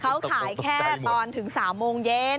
เขาขายแค่ตอนถึง๓โมงเย็น